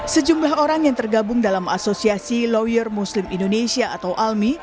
sejumlah orang yang tergabung dalam asosiasi lawyer muslim indonesia atau almi